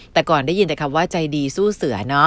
แต่ก่อนได้ยินแต่คำว่าใจดีสู้เสือเนาะ